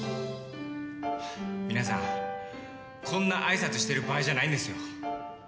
皆さんこんなあいさつしてる場合じゃないんですよ。